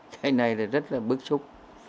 cái này là rất là bức xúc